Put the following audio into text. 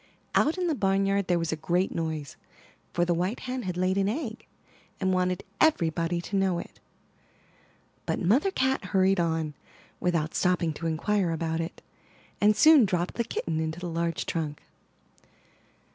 Out in the barnyard there was a great noise, for the white hen had laid an egg, and wanted everybody to know it; but Mother Cat hurried on, without stopping to inquire about it, and soon dropped the kitten into the large trunk.